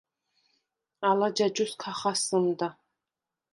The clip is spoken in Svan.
ალა ჯაჯუს ქა ხასჷმდა.